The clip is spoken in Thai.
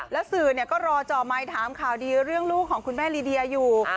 แล้วสื่อก็รอจ่อไมค์ถามข่าวดีเรื่องลูกของคุณแม่ลีเดียอยู่